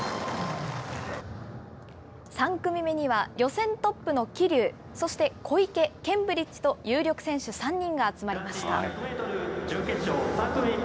３組目には予選トップの桐生、そして小池、ケンブリッジと、有力選手３人が集まりました。